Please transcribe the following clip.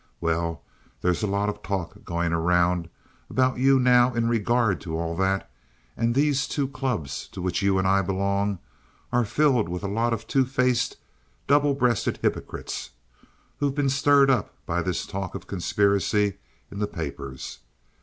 Well, there's a lot of talk going around about you now in regard to all that, and these two clubs to which you and I belong are filled with a lot of two faced, double breasted hypocrites who've been stirred up by this talk of conspiracy in the papers.